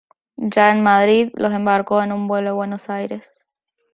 Ya en Madrid los embarcó en un vuelo a Buenos Aires.